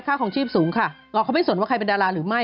คลองชีพสูงค่ะเราเขาไม่สนว่าใครเป็นดาราหรือไม่